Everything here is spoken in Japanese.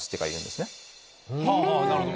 なるほど。